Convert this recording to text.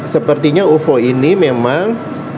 sepertinya ufo ini memang